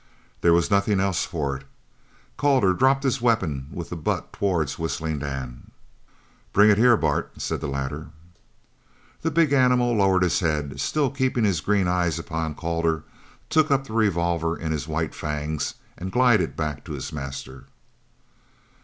There was nothing else for it. Calder dropped his weapon with the butt towards Whistling Dan. "Bring it here, Bart," said the latter. The big animal lowered his head, still keeping his green eyes upon Calder, took up the revolver in his white fangs, and glided back to his master.